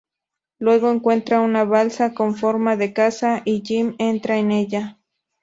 Luego encuentran una balsa con forma de casa y Jim entra en ella.